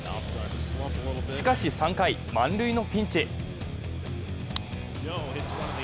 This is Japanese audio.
しかし３回、満塁のピンチ。